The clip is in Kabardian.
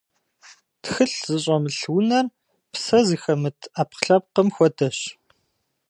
Тхылъ зыщӏэмылъ унэр псэ зыхэмыт ӏэпкълъэпкъым хуэдэщ.